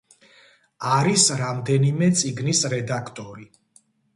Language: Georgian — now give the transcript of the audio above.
არის რამდენიმე წიგნის რედაქტორი.